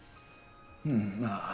うんまあ